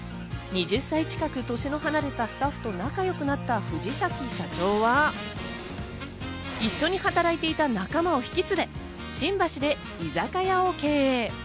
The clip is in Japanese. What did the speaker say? ２０歳近く年の離れたスタッフと仲良くなった藤崎社長は、一緒に働いていた仲間をひきつれ、新橋で居酒屋を経営。